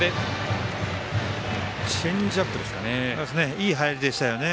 いい入りでしたよね。